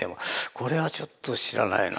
これはちょっと知らないな。